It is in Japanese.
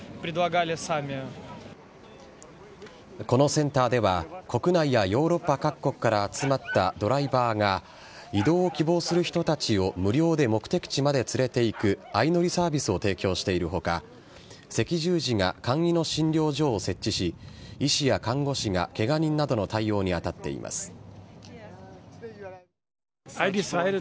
このセンターでは、国内やヨーロッパ各国から集まったドライバーが、移動を希望する人たちを無料で目的地まで連れていく、相乗りサービスを提供しているほか、赤十字が簡易の診療所を設置し、医師や看護師がけが人などの対応に当たっています。